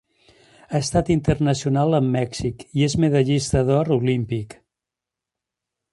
Ha estat internacional amb Mèxic i és medallista d'or olímpic.